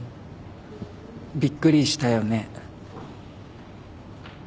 びっくりしたよね。